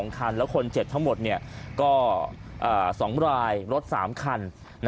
คันและคนเจ็บทั้งหมดก็๒รายรถ๓คัน